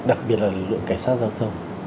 đặc biệt là lực lượng cảnh sát giao thông